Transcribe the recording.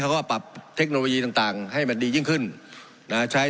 เขาก็ปรับเทคโนโลยีต่างต่างให้เป็นดียิ่งขึ้นอ่าใช้